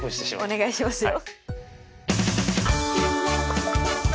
お願いしますよ。